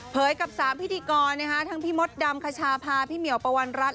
กับ๓พิธีกรทั้งพี่มดดำคชาพาพี่เหมียวปวัณรัฐ